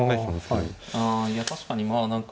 いや確かにまあ何か。